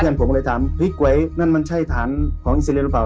เพื่อนผมก็เลยถามพี่ก๋วยนั่นมันใช่ฐานของอิสรีแลนด์หรือเปล่า